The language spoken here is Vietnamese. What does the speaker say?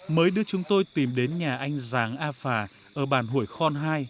mới đưa chúng tôi tìm đến nhà anh giáng a phà ở bàn hủy con hai